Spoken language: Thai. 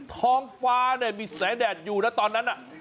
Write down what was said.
ท้องฟ้ามีแสงแดดอยู่แล้วตอนนั้นน่ะ